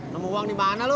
nemu uang di mana lo